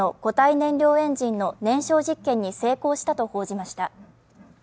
燃料エンジンの燃焼実験に成功したと報じました